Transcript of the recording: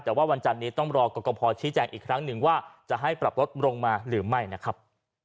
แต่ว่าวันจันนี้ต้องรอกรกภชี้แจงอีกครั้งหนึ่งว่าจะให้ปรับลดลงมาหรือไม่นะครับ